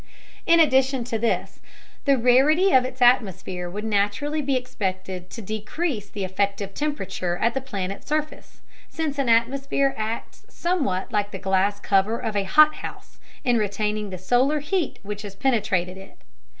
In addition to this, the rarity of its atmosphere would naturally be expected to decrease the effective temperature at the planet's surface, since an atmosphere acts somewhat like the glass cover of a hot house in retaining the solar heat which has penetrated it.